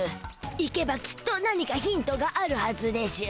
行けばきっと何かヒントがあるはずでしゅ。